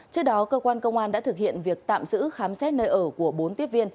trước đó cơ quan công an đã thực hiện việc tạm giữ khám xét nơi ở của bốn tiếp viên